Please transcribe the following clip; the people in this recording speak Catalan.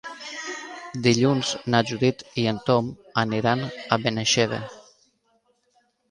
Dilluns na Judit i en Tom aniran a Benaixeve.